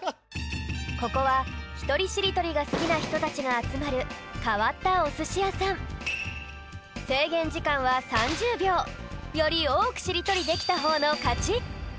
ここはひとりしりとりがすきなひとたちがあつまるかわったおすしやさんよりおおくしりとりできたほうのかち！